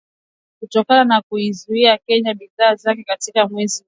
Kutokana na kuiuzia Kenya bidhaa zake katika mwezi huo